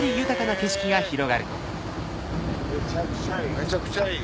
めちゃくちゃいい！